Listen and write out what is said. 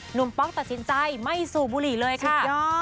ป๊อกตัดสินใจไม่สูบบุหรี่เลยค่ะ